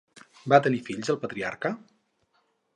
Va tenir fills el patriarca?